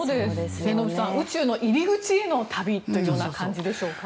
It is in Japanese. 末延さん、宇宙の入り口へというような感じでしょうか。